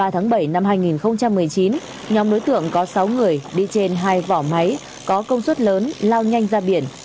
hai mươi tháng bảy năm hai nghìn một mươi chín nhóm đối tượng có sáu người đi trên hai vỏ máy có công suất lớn lao nhanh ra biển